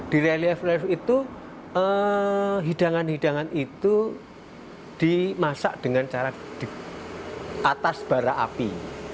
di relief relief itu hidangan hidangan itu dimasak dengan cara di atas bara api